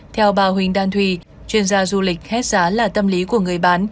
theo bà huỳnh đan thùy chuyên gia du lịch hết giá là tâm lý của người bán